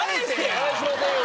返しませんよ。